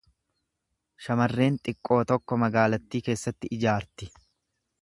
Shamarreen xiqqoo tokko magaalattii keessatti ijaarti.